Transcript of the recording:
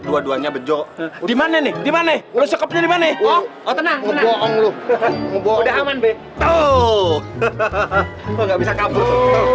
dua duanya bejo dimana nih dimana lu sokepnya dimana oh tenang ngeboong lu udah aman be tuh